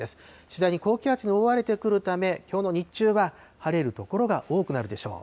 次第に高気圧に覆われてくるため、きょうの日中は晴れる所が多くなるでしょう。